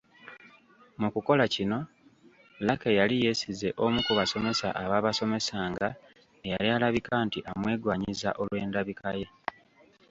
Mu kukola kino, Lucky yali yeesize omu ku basomesa abaabasomesanga, eyali alabika nti amwegwanyiza olw’endabikaye.